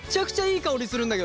いい香りするんだけど。